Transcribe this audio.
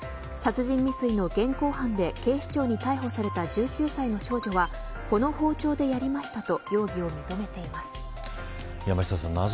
殺人未遂の現行犯で警視庁に逮捕された１９歳の少女はこの包丁でやりましたと山下さん、